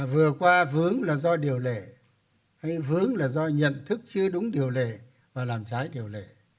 vừa qua vướng là do điều lệ hay vướng là do nhận thức chưa đúng điều lệ và làm trái điều lệ